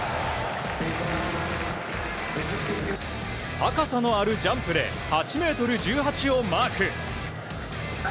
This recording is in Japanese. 高さのあるジャンプで８ｍ１８をマーク。